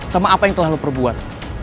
sama apa yang lo perbuat